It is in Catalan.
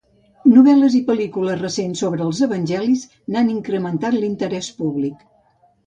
Novel·les i pel·lícules recents sobre els evangelis n'han incrementat l'interès públic.